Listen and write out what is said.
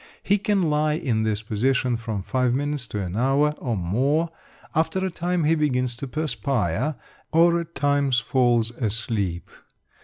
He can lie in this position from 5 minutes to an hour or more. After a time he begins to perspire, or at times falls asleep.